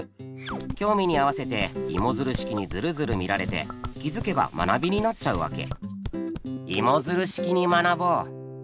興味に合わせてイモヅル式にズルズル見られて気付けば学びになっちゃうわけ。